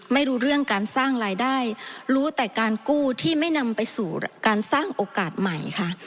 ไม่รู้เรื่องการสร้างรายได้รู้แต่การกู้ที่ไม่นำไปสู่การสร้างโอกาสใหม่ค่ะ